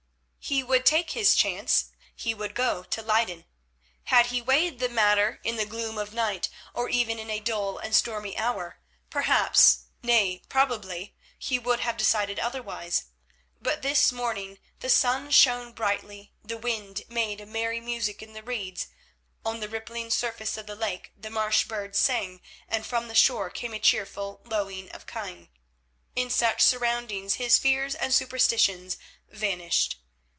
He would take his chance; he would go to Leyden. Had he weighed the matter in the gloom of night, or even in a dull and stormy hour, perhaps—nay probably—he would have decided otherwise. But this morning the sun shone brightly, the wind made a merry music in the reeds; on the rippling surface of the lake the marsh birds sang, and from the shore came a cheerful lowing of kine. In such surroundings his fears and superstitions vanished.